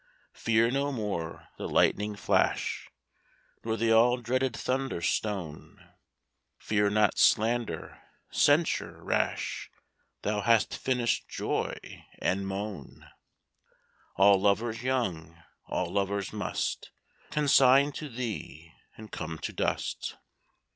"Fear no more the lightning flash, Nor the all dreaded thunder stone, Fear not slander, censure rash, Thou hast finished joy and moan: All lovers young, all lovers must Consign to thee, and come to dust.